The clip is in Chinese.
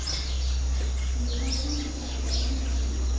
为高经济价值的观赏鱼。